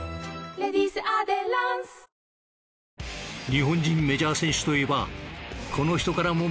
日本人メジャー選手といえばこの人からも目が離せない。